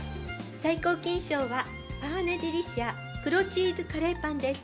最高金賞は、パーネデリシア、黒チーズカレーパンです。